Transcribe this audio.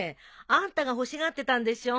あんたが欲しがってたんでしょ。